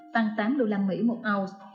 tăng tám đô la mỹ một ounce